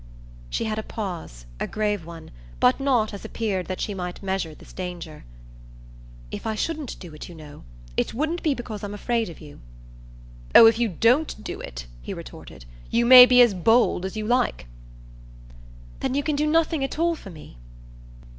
She had a pause, a grave one, but not, as appeared, that she might measure this danger. "If I shouldn't do it, you know, it wouldn't be because I'm afraid of you." "Oh if you don't do it," he retorted, "you may be as bold as you like!" "Then you can do nothing at all for me?"